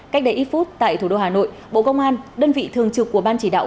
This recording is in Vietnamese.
cách đây ít phút tại thủ đô hà nội bộ công an đơn vị thường trực của ban chỉ đạo